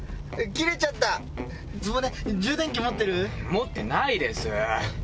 持ってないです！